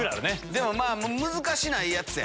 でも難しないやつや。